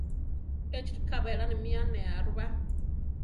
Échi ríka belána mi anéa ru ba.